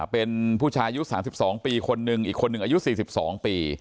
เป็นผู้ชายยุดสามสิบสองปีคนหนึ่งอีกคนหนึ่งอายุสี่สิบสองปี